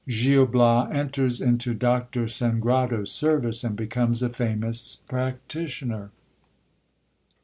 — Gil Bias enters into Doctor Sangradds seivice, and becomes a famous practitioner.